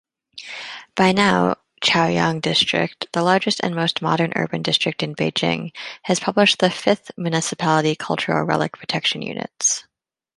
By now, Chaoyang District, the largest and the most modern urban district in Beijing, has published the fifth Municipality Cultural Relic Protection Units.